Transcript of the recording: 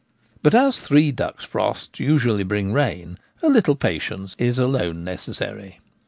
But as three duck's frosts usually bring rain, a little patience is alone necessary.